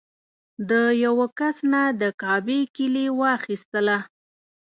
د یوه کس نه د کعبې کیلي واخیستله.